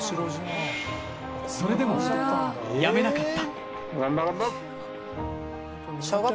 それでも、やめなかった。